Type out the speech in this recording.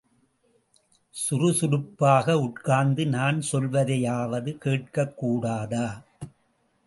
சுறுசுறுப்பாக உட்கார்ந்து நான் சொல்வதையாவது கேட்கக் கூடாதா?